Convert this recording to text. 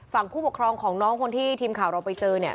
ผู้ปกครองของน้องคนที่ทีมข่าวเราไปเจอเนี่ย